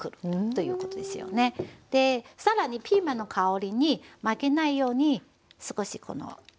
で更にピーマンの香りに負けないように少しこの。